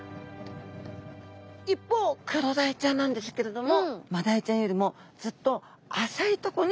一方クロダイちゃんなんですけれどもマダイちゃんよりもずっと浅いとこに暮らしてるんですね。